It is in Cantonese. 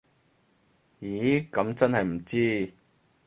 咦噉真係唔知